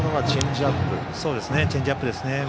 チェンジアップですね。